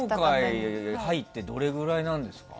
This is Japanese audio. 芸能界入ってどれぐらいなんですか？